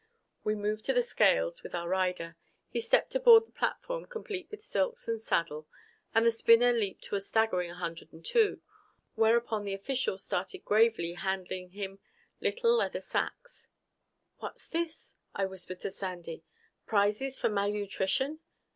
We moved to the scales with our rider. He stepped aboard the platform, complete with silks and saddle, and the spinner leaped to a staggering 102, whereupon the officials started gravely handing him little leather sacks. "What's this?" I whispered to Sandy. "Prizes for malnutrition?